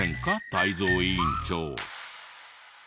泰造委員長。